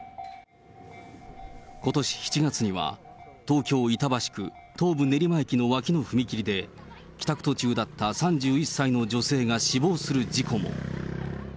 ことし７月には、東京・板橋区、東武練馬駅の脇の踏切で、帰宅途中だった３１歳の女性が死亡する事故も。